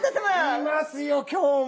いますよ今日も！